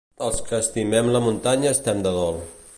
Els que estimem la muntanya estem de dol.